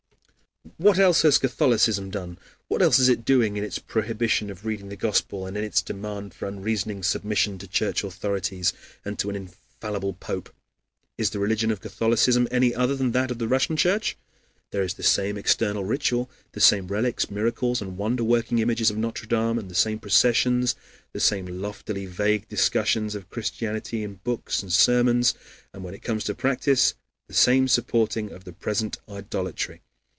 What else has Catholicism done, what else is it doing in its prohibition of reading the Gospel, and in its demand for unreasoning submission to Church authorities and to an infallible Pope? Is the religion of Catholicism any other than that of the Russian Church? There is the same external ritual, the same relics, miracles, and wonder working images of Notre Dame, and the same processions; the same loftily vague discussions of Christianity in books and sermons, and when it comes to practice, the same supporting of the present idolatry.